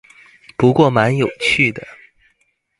不過蠻有趣的